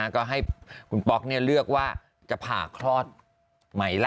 ก็ให้คุณป๊อกเลือกว่าจะผ่าคลอดไหมล่ะ